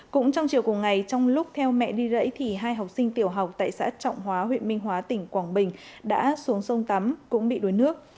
cũng trong chiều cùng ngày trong lúc theo mẹ đi rẫy thì hai học sinh tiểu học tại xã trọng hóa huyện minh hóa tỉnh quảng bình đã xuống sông tắm cũng bị đuối nước